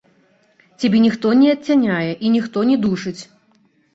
Цябе ніхто не адцяняе і ніхто не душыць.